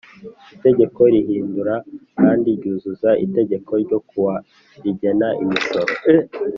Itegeko rihindura kandi ryuzuza itegeko ryo kuwa rigena imisoro